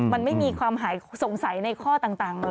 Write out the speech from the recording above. มันไม่มีความหายสงสัยในข้อต่างเลย